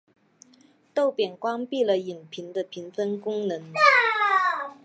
豆瓣关闭了影片的评分功能。